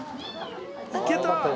いけた！